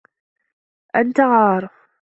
أنت عار.